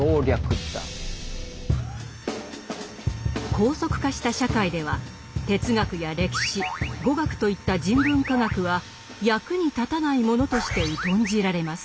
高速化した社会では哲学や歴史語学といった人文科学は役に立たないものとして疎んじられます。